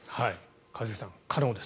一茂さん、可能です。